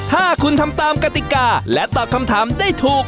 ถ้าคุณทำตามกติกาและตอบคำถามได้ถูก